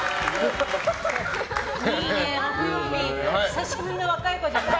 久しぶりの若い子じゃない。